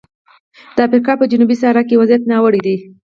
د افریقا په جنوبي صحرا کې وضعیت ناوړه دی.